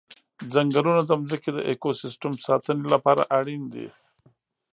ځنګلونه د ځمکې د اکوسیستم ساتنې لپاره اړین دي.